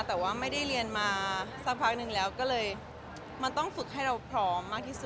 แต่ว่าไม่ได้เรียนมาสักพักหนึ่งแล้วก็เลยมันต้องฝึกให้เราพร้อมมากที่สุด